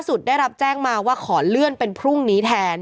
ได้รับแจ้งมาว่าขอเลื่อนเป็นพรุ่งนี้แทน